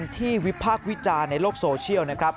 วิพากษ์วิจารณ์ในโลกโซเชียลนะครับ